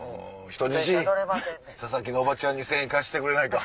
「人質佐々木のおばちゃんに１０００円貸してくれないか？」。